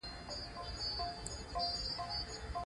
اوس باید زموږ برګر، سلاد او د چرګوټي پسته غوښه ولري.